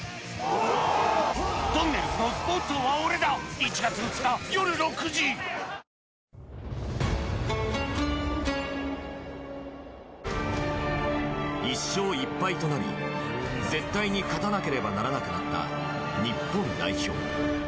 １勝１敗となり絶対に勝たなければならなくなった日本代表。